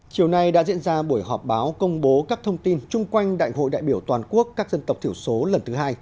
chiều nay đã diễn ra buổi họp báo công bố các thông tin chung quanh đại hội đại biểu toàn quốc các dân tộc thiểu số lần thứ hai